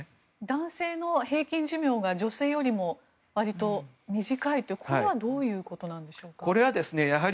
男性の平均寿命が女性よりも割と短いというのはこれはどういうことなんでしょうか。